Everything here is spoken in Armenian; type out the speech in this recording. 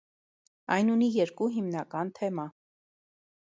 Այն ունի երկու հիմնական թեմա։